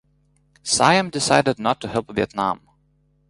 Siam decided not to help Vietnam.